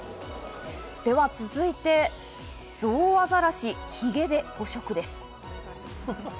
続いて、ゾウアザラシ、ヒゲで捕食です。